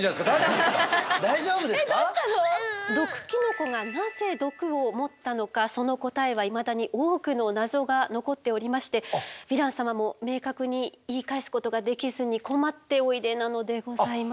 毒キノコがなぜ毒を持ったのかその答えはいまだに多くの謎が残っておりましてヴィラン様も明確に言い返すことができずに困っておいでなのでございます。